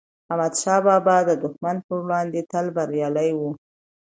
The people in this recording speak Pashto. احمدشاه بابا د دښمن پر وړاندی تل بریالي و.